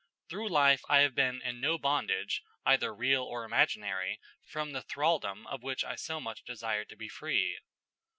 Through life I have been in no bondage, either real or imaginary, from the thraldom of which I so much desired to be free....